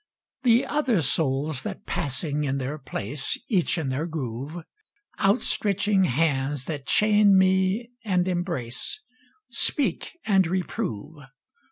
The other souls that, passing in their place, Each in their groove; Out stretching hands that chain me and embrace, Speak and reprove.